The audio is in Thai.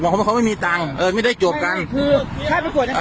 ผมเลือกออกดีไม่ได้ด้วยผมเจ็บแหละ